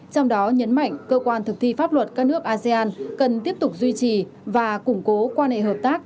trong đó nhấn mạnh cơ quan thực thi pháp luật các nước asean cần tiếp tục duy trì và củng cố quan hệ hợp tác